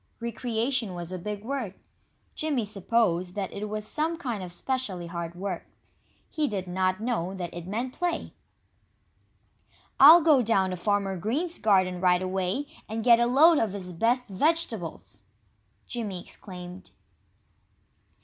"Recreation" was a big word. Jimmy supposed that it was some kind of specially hard work. He did not know that it meant play. "I'll go down to Farmer Green's garden right away and get a load of his best vegetables!" Jimmy exclaimed.